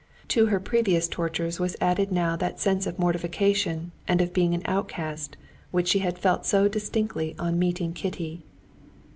To her previous tortures was added now that sense of mortification and of being an outcast which she had felt so distinctly on meeting Kitty.